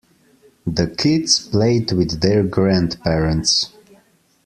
The kids played with their grandparents.